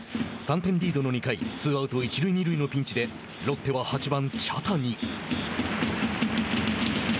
３点リードの２回ツーアウト、一塁二塁のピンチでロッテは８番茶谷。